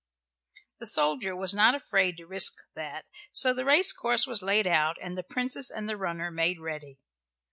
The soldier was not afraid to risk that, so the race course was laid out, and the Princess and the runner made ready.